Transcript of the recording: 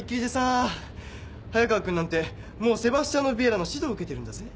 早川君なんてもうセバスチャーノ・ヴィエラの指導受けてるんだぜ。